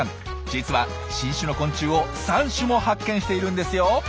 実は新種の昆虫を３種も発見しているんですよ。